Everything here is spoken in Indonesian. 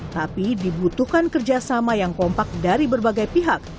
tapi dibutuhkan kerjasama yang kompak dari berbagai pihak